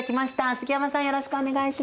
杉山さんよろしくお願いします。